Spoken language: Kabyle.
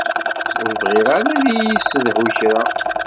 Ur bɣiɣ ara ad iyi-yessedhu kra.